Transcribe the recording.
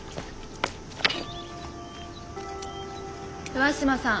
上嶋さん